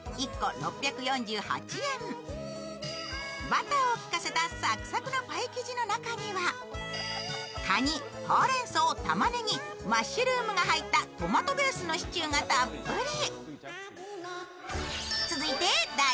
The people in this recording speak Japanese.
バターをきかせたサクサクのパイ生地の中には、かに、ほうれんそう、たまねぎ、マッシュルームが入ったトマトベースのシチューがたっぷり。